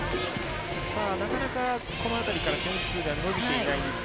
なかなかこの辺りから点数が伸びていない日本。